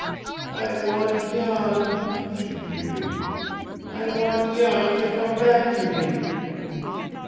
"I want Jan," she pleaded. "I want Jan to come back to me!"